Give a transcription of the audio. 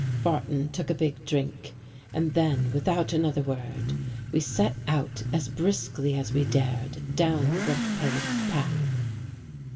I Barton took a big drink and then, without another || word, we set out as briskly as we dared down the ii brick paved path.